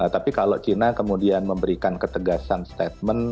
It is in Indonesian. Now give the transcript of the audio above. tapi kalau china kemudian memberikan ketegasan statement